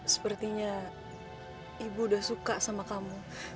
sepertinya ibu udah suka sama kamu